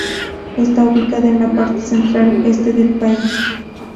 Está ubicada en la parte central-este del país.